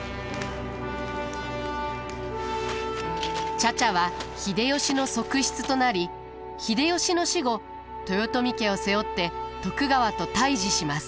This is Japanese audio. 茶々は秀吉の側室となり秀吉の死後豊臣家を背負って徳川と対じします。